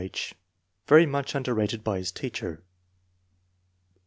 H. Very much underrated by his teacher.